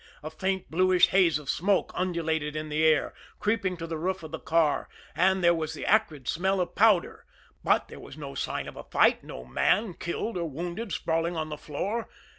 A faint, bluish haze of smoke undulated in the air, creeping to the roof of the car; and there was the acrid smell of powder but there was no sign of a fight, no man, killed or wounded, sprawling on the floor.